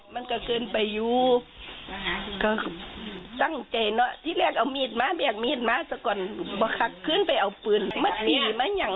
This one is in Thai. มันก็เกินไปอยู่ก็ตั้งใจเนอะที่เรียกเอามีดม้าแบกมีดม้าสก่อนขึ้นไปเอาปืน